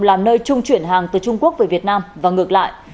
là nơi trung chuyển hàng từ trung quốc về việt nam và ngược lại